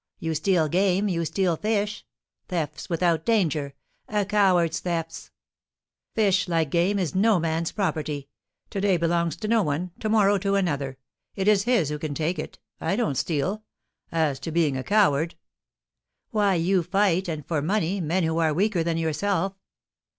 You steal game, you steal fish, thefts without danger, a coward's thefts!" "Fish, like game, is no man's property. To day belongs to one, to morrow to another. It is his who can take it. I don't steal. As to being a coward " "Why, you fight and for money men who are weaker than yourself."